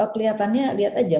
kelihatannya lihat aja